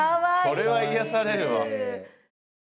それは癒やされるわ。